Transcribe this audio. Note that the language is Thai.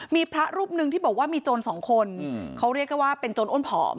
มีพระรูปหนึ่งที่บอกว่ามีโจรสองคนเขาเรียกกันว่าเป็นโจรอ้นผอม